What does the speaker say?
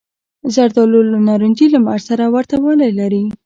زردالو له نارنجي لمر سره ورته والی لري.